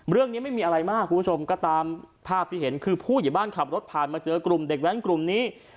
ไม่มีอะไรมากคุณผู้ชมก็ตามภาพที่เห็นคือผู้ใหญ่บ้านขับรถผ่านมาเจอกลุ่มเด็กแว้นกลุ่มนี้